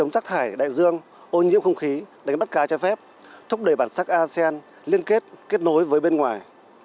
khải đại dương ô nhiễm không khí đánh bắt cá cho phép thúc đẩy bản sắc asean liên kết kết nối với bên ngoài